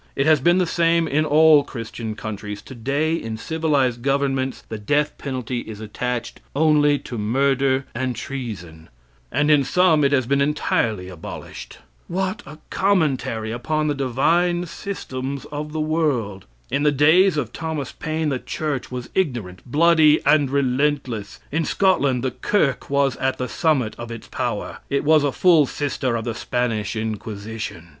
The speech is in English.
It has been the same in all Christian countries. Today, in civilized governments, the death penalty is attached only to murder and treason; and in some it has been entirely abolished. What a commentary upon the divine systems of the World! In the days of Thomas Paine the church was ignorant, bloody, and relentless. In Scotland the "kirk" was at the summit of its power. It was a full sister of the Spanish Inquisition.